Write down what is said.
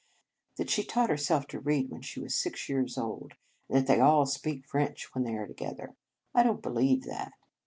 ")" That she taught herself to read when she was six years old, and that they all speak French when they are together. I don t believe that."